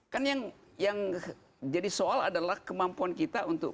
kan yang jadi soal adalah kemampuan kita untuk